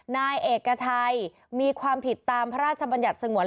นายเอกชัยมีความผิดตามพระราชบัญญัติสงวน